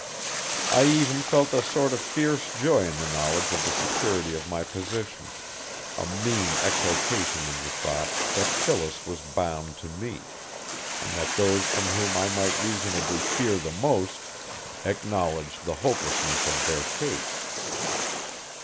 I even felt a sort of fierce joy in the knowledge of the security of my position, a mean exultation in the thought that Phyllis was bound to me, and that those from whom I might reasonably fear the most, acknowledged the hopelessness of their case.